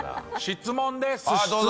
質問です！